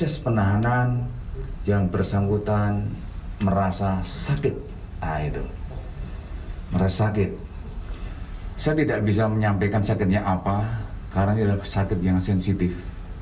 saya tidak bisa menyampaikan sakitnya apa karena ini adalah sakit yang sensitif